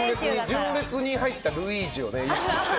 純烈に入ったルイージを意識して。